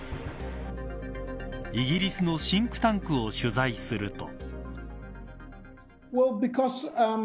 イギリスのシンクタンクを取材すると。